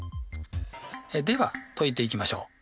では解いていきましょう。